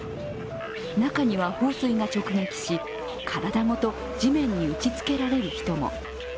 中には放水が直撃し、体ごと地面に打ちつけられる人も。